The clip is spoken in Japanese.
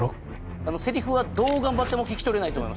せりふはどう頑張っても聞き取れないと思います。